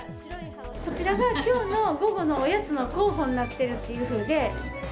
こちらがきょうの午後のおやつの候補になっているというふうで。